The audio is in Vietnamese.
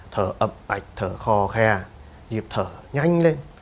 thở ẩm ạch thở khò khe nhịp thở nhanh lên